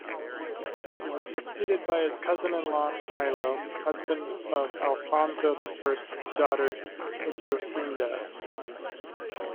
He was succeeded by his cousin-in-law, Silo, husband of Alfonso the First's daughter Adosinda.